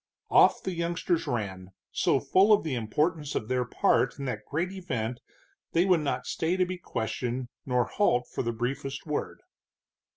Off the youngsters ran, so full of the importance of their part in that great event that they would not stay to be questioned nor halt for the briefest word.